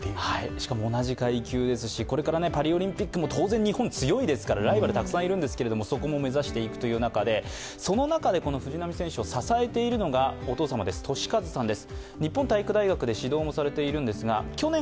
しかも同じ階級ですしこれからパリオリンピックも、当然日本は強いですしライバルたくさんいるんですけどそこも目指していく、その中で藤波選手を支えているのがお父様の俊一さんです。